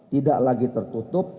tidak lagi tertutup